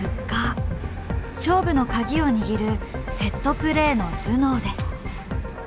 勝負のカギを握るセットプレーの頭脳です。